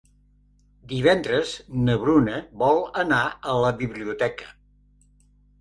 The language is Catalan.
Divendres na Bruna vol anar a la biblioteca.